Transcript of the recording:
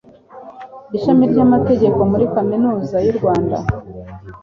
ishami ry'amategeko muri kaminuza y'u rwanda